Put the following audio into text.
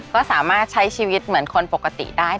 ก็สามารถใช้ชีวิตเหมือนคนปกติได้